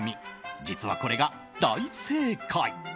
実は、これが大正解。